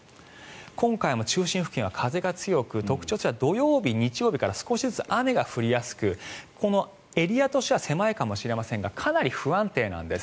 今回も中心付近は風が強く特徴としては土曜日、日曜日から少しずつ雨が降りやすくこのエリアとしては狭いかもしれませんがかなり不安定なんです。